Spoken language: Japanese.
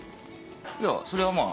いやそりゃまあ